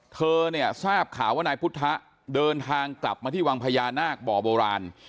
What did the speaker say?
เธอเนี่ยทราบข่าวว่านายพุทธะเดินทางกลับมาที่วังพญานาคบ่อโบราณ